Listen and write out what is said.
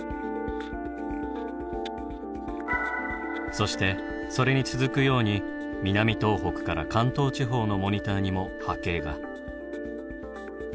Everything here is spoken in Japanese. そしてそれに続くように南東北から関東地方のモニターにも波形が。